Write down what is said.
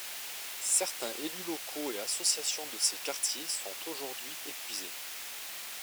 Certains élus locaux et associations de ces quartiers sont aujourd’hui épuisés.